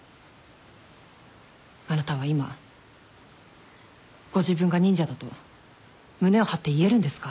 あなたは今ご自分が忍者だと胸を張って言えるんですか？